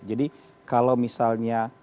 jadi kalau misalnya